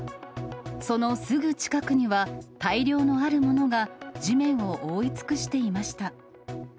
そのすぐ近くには、大量のあるものが、地面を覆い尽くしていました。